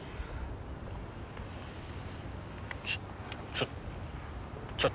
ちょっちょっと。